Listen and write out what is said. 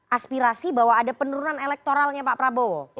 aspirasi bahwa ada penurunan elektoralnya pak prabowo